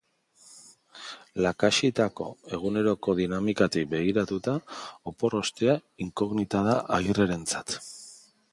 Lakaxitako eguneroko dinamikatik begiratuta, opor ostea inkognita da Agirrerentzat.